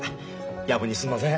夜分にすんません。